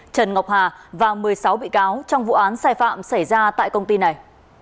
trần ngọc hà và một mươi sáu bị cáo trong vụ án sai phạm xảy ra tại công ty này